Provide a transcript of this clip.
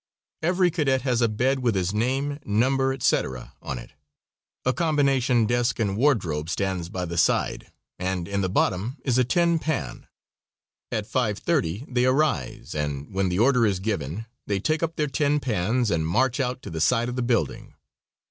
Every cadet has a bed with his name, number, etc., on it. A combination desk and wardrobe stands by the side, and in the bottom is a tin pan. At 5.30 they arise, and when the order is given they take up their tin pans and march out to the side of the building.